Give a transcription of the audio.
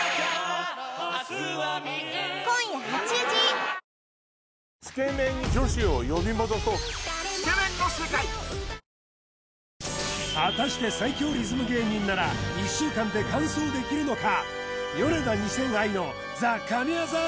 サントリー「金麦」果たして最強リズム芸人なら１週間で完奏できるのか？